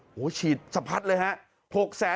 โอ้โหฉีดสะพัดเลยฮะ